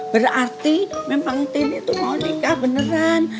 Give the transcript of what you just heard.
berarti memang tini tuh mau nikah beneran